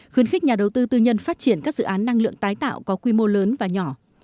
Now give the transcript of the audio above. khuyến khích nhà đầu tư tư nhân phát triển các dự án năng lượng tái tạo có quy mô lớn và nhỏ